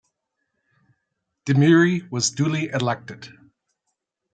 Dimuri was duly elected.